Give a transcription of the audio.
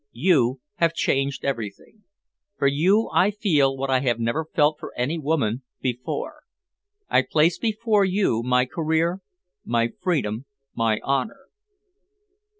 You have changed everything. For you I feel what I have never felt for any woman before. I place before you my career, my freedom, my honour."